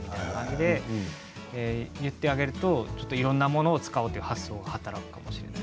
そう言ってあげるといろんなものを使おうという発想が働くかもしれない。